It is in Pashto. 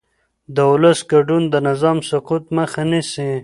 د ولس ګډون د نظام سقوط مخه نیسي